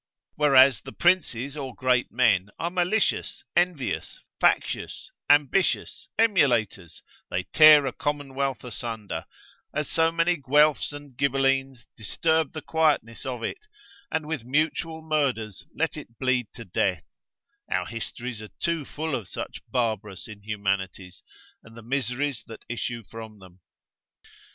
Whereas the princes or great men are malicious, envious, factious, ambitious, emulators, they tear a commonwealth asunder, as so many Guelfs and Gibelines disturb the quietness of it, and with mutual murders let it bleed to death; our histories are too full of such barbarous inhumanities, and the miseries that issue from them.